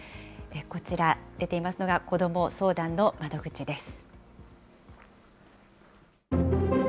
こちら、出ていますのが子ども相談の窓口です。